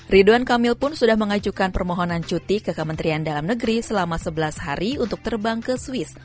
ridwan kamil pun sudah mengajukan permohonan cuti ke kementerian dalam negeri selama sebelas hari untuk terbang ke swiss